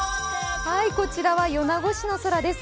こちらは米子市の空です。